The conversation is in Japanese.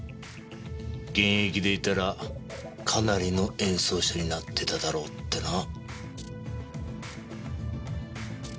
現役でいたらかなりの演奏者になってただろうってな。